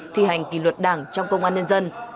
thi hành kỷ luật đảng trong công an nhân dân